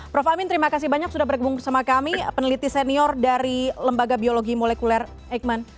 prof amin terima kasih banyak sudah bergabung bersama kami peneliti senior dari lembaga biologi molekuler eijkman